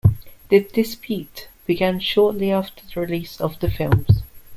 The dispute began shortly after the release of the films.